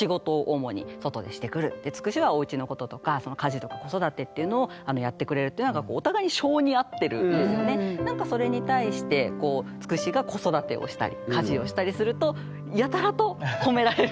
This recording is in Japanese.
うちの場合は家事とか子育てっていうのをやってくれるっていうのがそれに対してつくしが子育てをしたり家事をしたりするとやたらと褒められるっていう。